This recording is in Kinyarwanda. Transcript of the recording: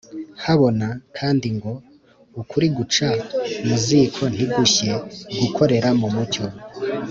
habona" kandi ngo "ukuri guca mu ziko ntigushye." gukorera mu mucyo